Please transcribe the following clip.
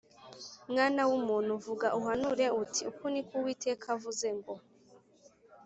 Mwana w’umuntu, vuga uhanura uti ‘Uku ni ko Uwiteka avuze ngo: